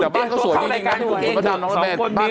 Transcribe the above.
เราเห็นนะใครใกล้ของเขาแหละนะครับ